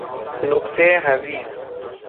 نقطه حضیض